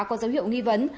có dấu hiệu nghi vấn